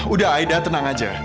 udah aida tenang aja